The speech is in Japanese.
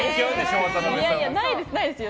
ないですよ。